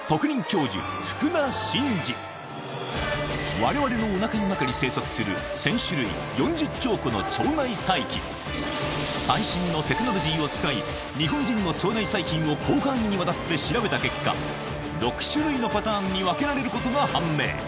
我々のおなかの中に生息する最新のテクノロジーを使い日本人の腸内細菌を広範囲にわたって調べた結果６種類のパターンに分けられることが判明